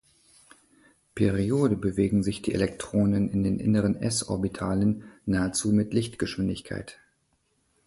Periode bewegen sich die Elektronen in den inneren s-Orbitalen nahezu mit Lichtgeschwindigkeit.